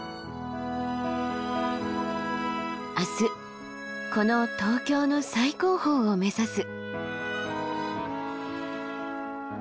明日この東京の最高峰を目指す。